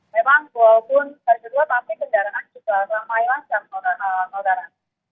memang walaupun tersebut tapi kendaraan juga ramailah sama saudara